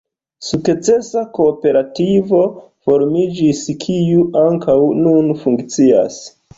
Sukcesa kooperativo formiĝis, kiu ankaŭ nun funkcias.